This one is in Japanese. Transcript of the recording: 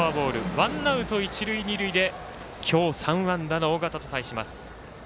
ワンアウト、一塁二塁で今日、３安打の尾形と対します。